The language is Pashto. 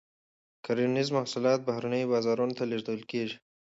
کرنیز محصولات بهرنیو بازارونو ته لیږل کیږي.